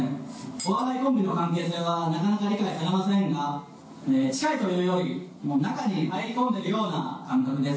お笑いコンビの関係性はなかなか理解されませんが近いというより中に入り込んでいるような感覚です。